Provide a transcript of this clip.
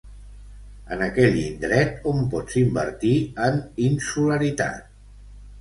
En aquell indret on pots invertir en insularitat.